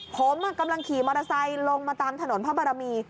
ผมกำลังขี่มอเตอร์ไซค์ลงมาตามถนนพระบารมี